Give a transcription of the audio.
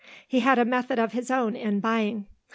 He had a method of his own in buying.